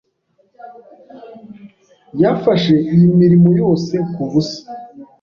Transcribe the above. Yafashe iyi mirimo yose kubusa.